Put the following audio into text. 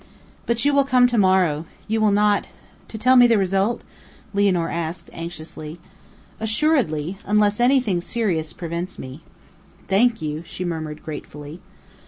"But you will come to morrow, will you not to tell me the result?" Lianor asked anxiously. "Assuredly; unless anything serious prevents me." "Thank you," she murmured gratefully.